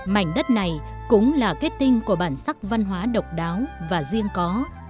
mảnh đất này cũng là kết tinh của bản sắc văn hóa độc đáo và riêng có